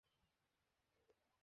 এটা ওদেরকে দেখানোর জন্য তর সইছে না।